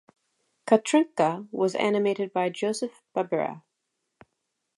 Katrinka was animated by Joseph Barbera.